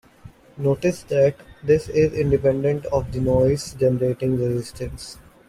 Notice that this is independent of the noise generating resistance.